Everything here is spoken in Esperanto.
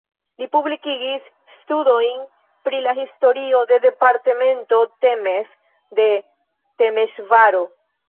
Li publikigis studojn pri la historio de departemento Temes de Temeŝvaro.